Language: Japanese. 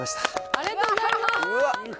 ありがとうございます。